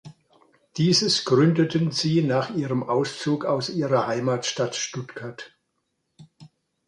Dieses gründeten sie nach ihrem Auszug aus ihrer Heimatstadt Stuttgart.